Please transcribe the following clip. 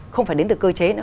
không phải đến từ cơ chế nữa